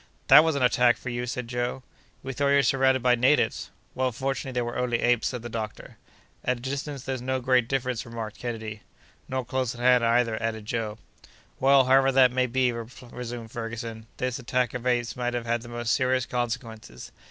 "That was an attack for you!" said Joe. "We thought you were surrounded by natives." "Well, fortunately, they were only apes," said the doctor. "At a distance there's no great difference," remarked Kennedy. "Nor close at hand, either," added Joe. "Well, however that may be," resumed Ferguson, "this attack of apes might have had the most serious consequences.